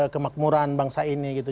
kemakmuran bangsa ini gitu